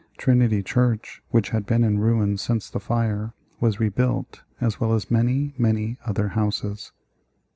Trinity Church, which had been in ruins since the fire, was rebuilt, as well as many, many other houses.